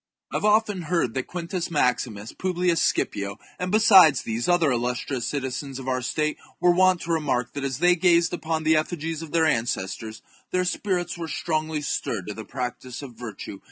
I have often heard that Quintus Maximus, Publius Scipio, and, besides these, other illustrious citizens of our state, were wont to remark that as they gazed upon the efiigies of their ancestors their spirits were strongly stirred to the practice of virtue.